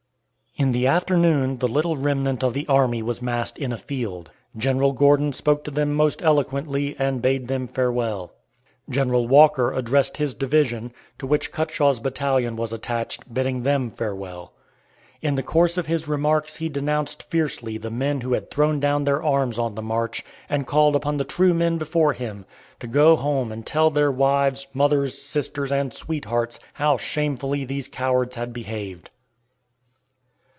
In the afternoon the little remnant of the army was massed in a field. General Gordon spoke to them most eloquently, and bade them farewell. General Walker addressed his division, to which Cutshaw's battalion was attached, bidding them farewell. In the course of his remarks he denounced fiercely the men who had thrown down their arms on the march, and called upon the true men before him to go home and tell their wives, mothers, sisters, and sweethearts how shamefully these cowards had behaved.